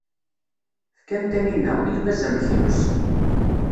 Fkan taninna, i lbaz amekyus.